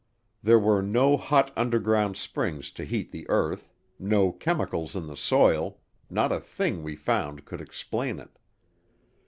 There were no hot underground springs to heat the earth, no chemicals in the soil, not a thing we found could explain it.